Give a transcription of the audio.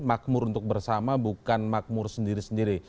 makmur untuk bersama bukan makmur sendiri sendiri